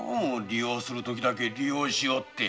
利用するときだけ利用しおって。